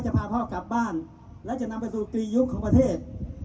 พาพ่อกลับบ้านและจะนำไปสู่กรียุคของประเทศ